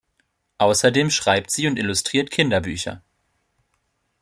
Außerdem schreibt sie und illustriert Kinderbücher.